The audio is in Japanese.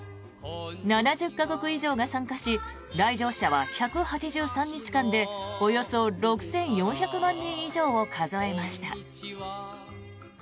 ７０か国以上が参加し来場者は１８３日間でおよそ６４００万人以上を数えました。